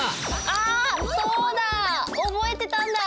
あそうだ！覚えてたんだ！